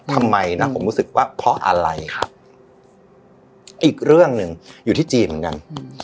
ทำไมนะผมรู้สึกว่าเพราะอะไรอีกเรื่องหนึ่งอยู่ที่จีนเหมือนกัน